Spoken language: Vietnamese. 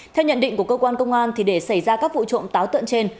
theo nhận định của cơ quan công an để xảy ra các vụ trộm táo tượng trên